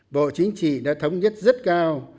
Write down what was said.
bộ chính trị đã thống nhất rất cao